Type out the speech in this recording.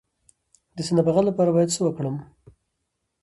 د سینه بغل لپاره باید څه وکړم؟